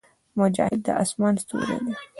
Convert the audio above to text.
مجاهد د اسمان ستوری دی.